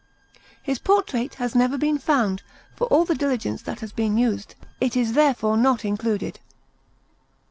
His portrait has never been found, for all the diligence that has been used; it is therefore not included.